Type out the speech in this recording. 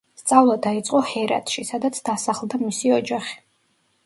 სწავლა დაიწყო ჰერათში, სადაც დასახლდა მისი ოჯახი.